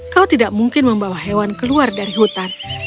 kau tidak mungkin membawa hewan keluar dari hutan